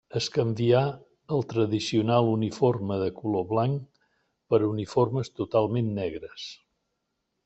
Es canvià el tradicional uniforme de color blanc, per uniformes totalment negres.